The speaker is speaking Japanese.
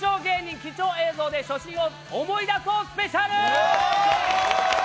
貴重映像で初心を思い出そうスペシャル！